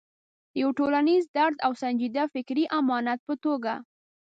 د یو ټولنیز درد او سنجیده فکري امانت په توګه.